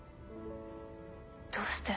どうして。